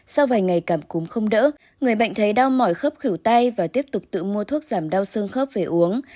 sau vài ngày cảm cúm không đỡ người bệnh thấy đau mỏi khớp khủ tay và tiếp tục tự mua thuốc giảm đau xương khớp về uống